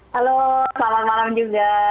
halo selamat malam juga